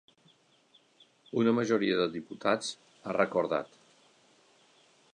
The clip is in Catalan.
Una majoria de diputats, ha recordat.